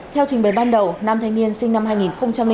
theo trình bày ban đầu nam thanh niên sinh năm hai nghìn bốn